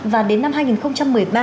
và đến năm hai nghìn một mươi ba